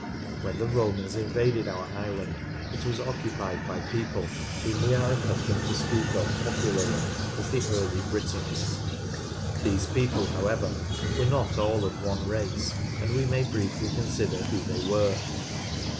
When the Romans invaded our island, it was occupied by people whom we are accustomed to speak of popularly as the early Britons. These people, however, were not all of one race, and we may briefly consider who they were.